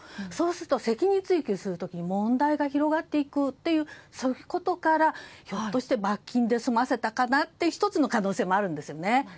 そうすると責任追及する時に問題が広がっていくということからひょっとして罰金で済ませたかなという１つの可能性があるんですね。